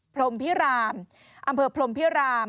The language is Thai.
พรมพิรามอำเภอพรมพิราม